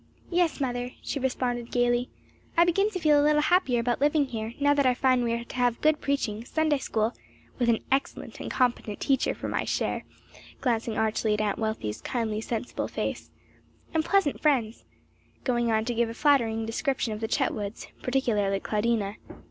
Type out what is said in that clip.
"Yes, mother," she responded gayly, "I begin to feel a little happier about living here, now that I find we are to have good preaching, Sunday school with an excellent and competent teacher for my share" glancing archly at Aunt Wealthy's kindly, sensible face "and pleasant friends;" going on to give a flattering description of the Chetwoods, particularly Claudina.